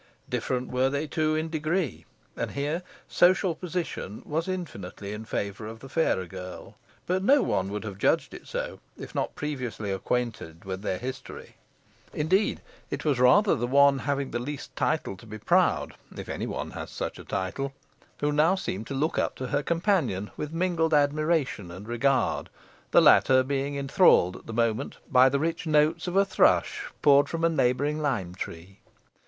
Different were they too, in degree, and here social position was infinitely in favour of the fairer girl, but no one would have judged it so if not previously acquainted with their history. Indeed, it was rather the one having least title to be proud (if any one has such title) who now seemed to look up to her companion with mingled admiration and regard; the latter being enthralled at the moment by the rich notes of a thrush poured from a neighbouring lime tree.